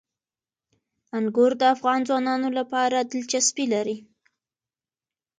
انګور د افغان ځوانانو لپاره دلچسپي لري.